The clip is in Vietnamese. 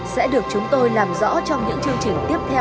sẽ được chúng tôi làm rõ trong những chương trình tiếp theo của series này